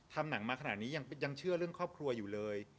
ทำหนังมาขนาดนี้ยังเชื่อเรื่องครอบครัวอยู่เลย